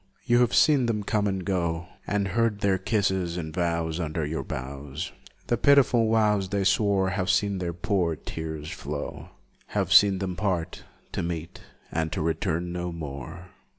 You have seen them come and go, And heard their kisses and vows Under your boughs, The pitiful vows they swore, Have seen their poor tears flow, Have seen them part; to meet, and to return, no more!